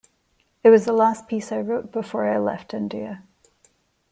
It was the last piece I wrote before I left India.